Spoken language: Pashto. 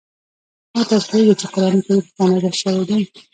آیا تاسو پوهېږئ چې قرآن کریم په چا نازل شوی دی؟